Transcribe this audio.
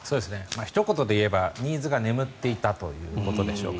ひと言で言えばニーズが眠っていたということでしょうか。